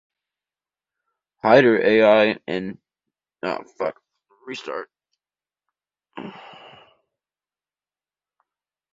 Hyder Ali and Tipu Sultan briefly held power in Mysore kingdom.